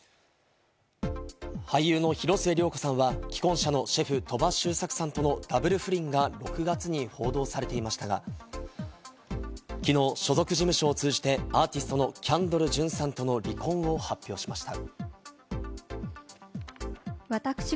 俳優の広末涼子さんは既婚者のシェフ・鳥羽周作さんとのダブル不倫が６月に報道されていましたが、きのう所属事務所を通じてアーティストのキャンドル・ジュンさんとの離婚を発表しました。